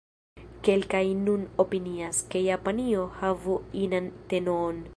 Kelkaj nun opinias, ke Japanio havu inan tenoon.